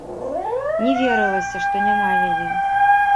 Не верылася, што няма яе.